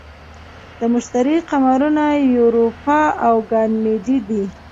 د مشتری قمرونه یوروپا او ګانیمید دي.